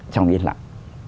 trong yên lặng